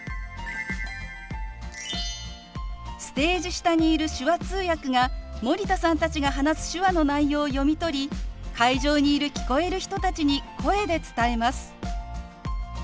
ステージ下にいる手話通訳が森田さんたちが話す手話の内容を読み取り会場にいる聞こえる人たちに声で伝えます。